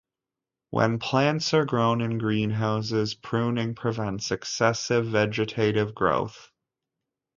When plants are grown in greenhouses, pruning prevents excessive vegetative growth.